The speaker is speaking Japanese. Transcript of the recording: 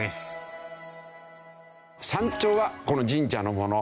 山頂はこの神社のもの。